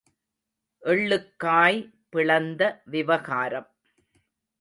எள்ளுக்காய் பிளந்த விவகாரம்.